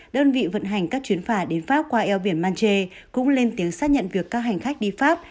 đơn vị vận hành các chuyến phà đến pháp qua eo biển manche cũng lên tiếng xác nhận việc các hành khách đi pháp